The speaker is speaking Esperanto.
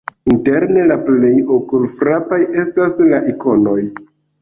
Interne la plej okulfrapa estas la ikonoj.